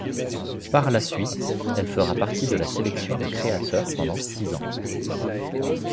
Par la suite, elle fera partie de la sélection de créateurs pendant six ans.